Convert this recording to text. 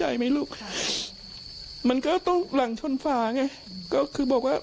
อย่างก